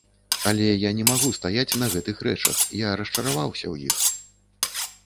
Але я не магу стаяць на гэтых рэчах, я расчараваўся ў іх.